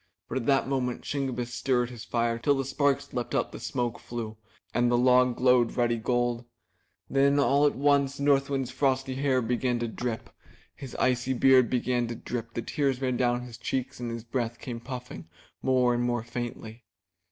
But at that moment Shingebiss stirred his fire till the sparks leaped up the smoke flue and the log glowed ruddy gold. Then all at once North Wind's frosty hair began to drip, his icy 343 MY BOOK HOUSE w ^'.^.^' JJ ^ j mi^ beard began to drip, the tears ran down his cheeks, and his breath came puffing more and more faintly.